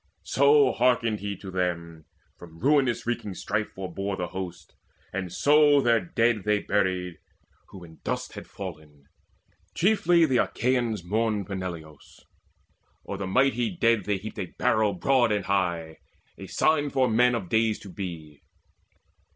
So hearkened he to them: From ruin wreaking strife forebore the hosts; And so their dead they buried, who in dust Had fallen. Chiefly the Achaeans mourned Peneleos; o'er the mighty dead they heaped A barrow broad and high, a sign for men Of days to be.